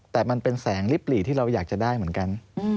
แต่มันเป็นแสงลิบหลีที่เราอยากจะได้เหมือนกัน